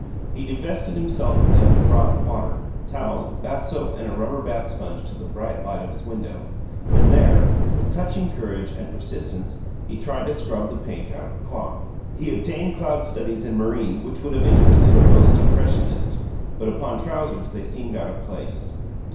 He divested himself of them and brought water, towels, bath soap, and a rubber bath sponge to the bright light of his window; and; there, with touching courage and persistence, he tried to scrub the paint out of the cloth. He obtained cloud studies and marines which would have interested a Post Impressionist, but upon trousers they seemed out of place.